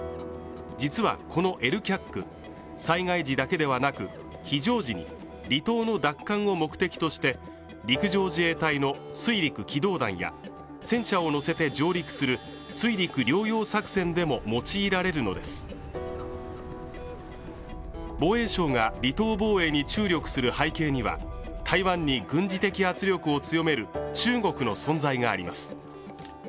実はこのＬＣＡＣ災害時だけではなく非常時に離島の奪還を目的として陸上自衛隊の水陸機動団や戦車を乗せて上陸する水陸両用作戦でも用いられるのです防衛省が離島防衛に注力する背景には台湾に軍事的圧力を強める中国の存在があります